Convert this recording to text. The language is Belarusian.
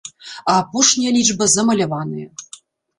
А апошняя лічба замаляваная.